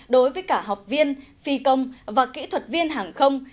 đối với cả học viên phi công và kỹ thuật viên hàng không